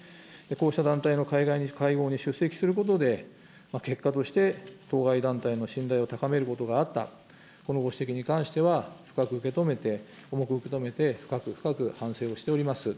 こうした団体の会合に出席することで、結果として、当該団体の信頼を高めることがあった、このご指摘に関しては、深く受け止めて、重く受け止めて、深く深く反省をしております。